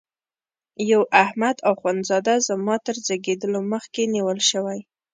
یو احمد اخوند زاده زما تر زیږېدلو مخکي نیول شوی.